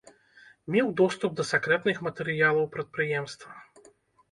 Меў доступ да сакрэтных матэрыялаў прадпрыемства.